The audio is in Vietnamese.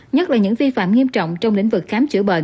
nhất là những vi phạm nghiêm trọng trong lĩnh vực khám chữa bệnh